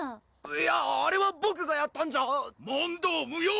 いやあれはボクがやったんじゃ問答無用！